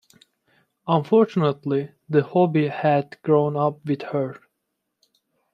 Unfortunately the hobby had grown up with her.